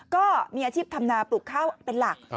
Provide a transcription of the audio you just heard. ก็มีอาชีพทำนาปลูกข้าวเป็นหลัก